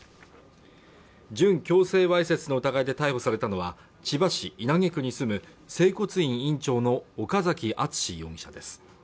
準強制わいせつの疑いで逮捕されたのは千葉市稲毛区に住む整骨院院長の岡崎敦容疑者です